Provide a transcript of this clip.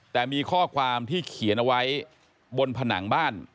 แต่มีข้อความที่เขียนเอาไว้บนผนังบ้าน